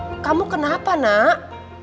eh kamu kenapa nak